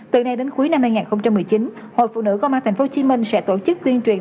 từ nay đến cuối năm hai nghìn một mươi chín hội phụ nữ công an tp hcm sẽ tổ chức tuyên truyền